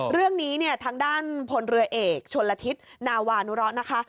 เรื่องนี้เนี่ยทางด้านพลเรือเอกชนละทิศนาวานุเลาะนะคะ